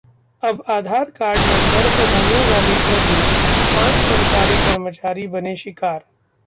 अब Aadhaar card number से होने लगी ठगी, पांच सरकारी कर्मचारी बने शिकार